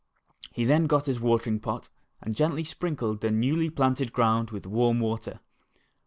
He then got his watering pot and gently sprinkled the newly planted ground with warm water.